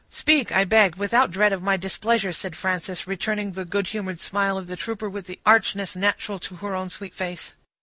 "Speak, I beg, without dread of my displeasure," said Frances, returning the good humored smile of the trooper, with the archness natural to her own sweet face.